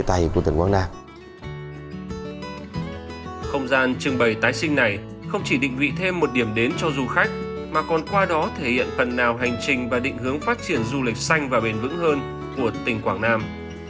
mà còn qua đó thể hiện phần nào hành trình và định hướng phát triển du lịch xanh và bền vững hơn của tỉnh quảng nam